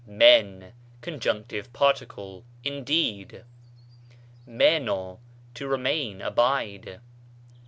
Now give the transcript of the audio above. pév, conjunctive particle, indeed. μένω, to remain, to abide.